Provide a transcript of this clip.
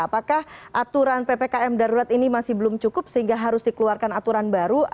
apakah aturan ppkm darurat ini masih belum cukup sehingga harus dikeluarkan aturan baru